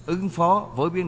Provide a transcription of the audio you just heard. ứng phó vô cùng